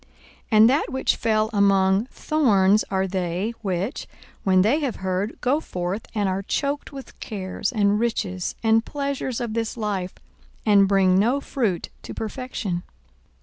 42:008:014 And that which fell among thorns are they, which, when they have heard, go forth, and are choked with cares and riches and pleasures of this life, and bring no fruit to perfection.